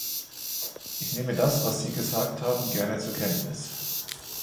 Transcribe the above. Ich nehme das, was Sie gesagt haben, gerne zur Kenntnis.